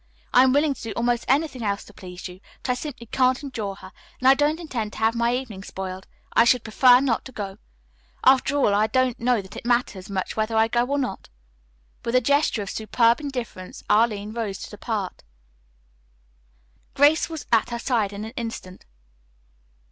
I am willing to do almost anything else to please you, but I simply can't endure her, and I don't intend to have my evening spoiled. I should prefer not to go. After all, I don't know that it matters much whether I go or not." With a gesture of superb indifference Arline rose to depart. Grace was at her side in an instant.